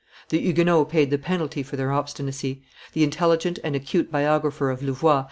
The Huguenots paid the penalty for their obstinacy. The intelligent and acute biographer of Louvois, M.